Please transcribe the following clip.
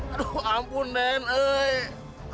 aduh ampun nek